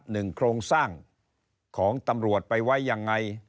โครงสร้างของตำรวจไปไว้ยังไง